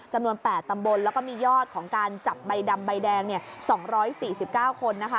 จำนวน๘ตำบลแล้วก็มียอดของการจับใบดำใบแดง๒๔๙คนนะคะ